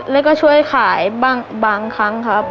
แล้วก็ช่วยขายบางครั้งครับ